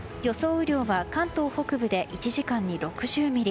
雨量は関東北部で１時間に６０ミリ。